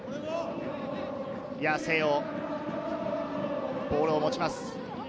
八瀬尾、ボールを持ちます。